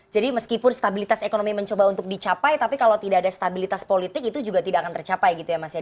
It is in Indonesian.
jadi meskipun stabilitas ekonomi mencoba untuk dicapai tapi kalau tidak ada stabilitas politik itu juga tidak akan tercapai gitu ya mas ya